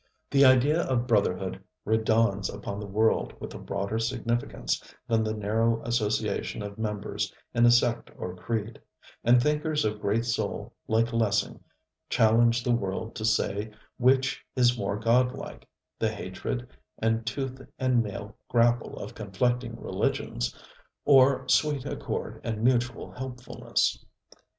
The idea of brotherhood redawns upon the world with a broader significance than the narrow association of members in a sect or creed; and thinkers of great soul like Lessing challenge the world to say which is more godlike, the hatred and tooth and nail grapple of conflicting religions, or sweet accord and mutual helpfulness.